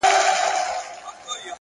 د هدف وضاحت د ذهن لارې صفا کوي.!